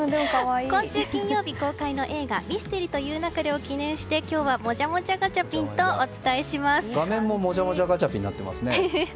今週金曜日公開の映画「ミステリと言う勿れ」を記念し今日はもじゃもじゃガチャピンと画面も、もじゃもじゃガチャピンになっていますね。